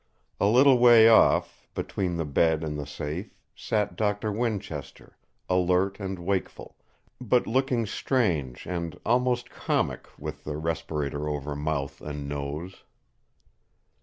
A little way off, between the bed and the safe, sat Dr. Winchester alert and wakeful, but looking strange and almost comic with the respirator over mouth and nose.